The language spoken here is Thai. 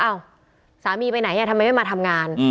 เอ้าสามีไปไหนเนี่ยทำไมไม่มาทำงาน